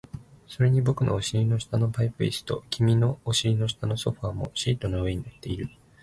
それに僕のお尻の下のパイプ椅子と、君のお尻の下のソファーもシートの上に乗っている